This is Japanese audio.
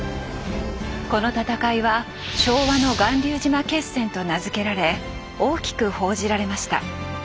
この戦いは「昭和の巌流島決戦」と名付けられ大きく報じられました。